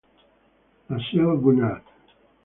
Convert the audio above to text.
La Celle-Guenand